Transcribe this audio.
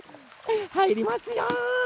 はいりますよ！